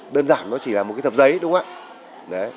đơn giản nó chỉ là một cái thập giấy đúng không ạ